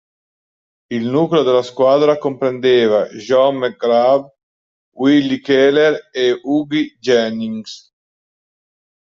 Il nucleo della squadra comprendeva John McGraw, Willie Keeler e Hughie Jennings.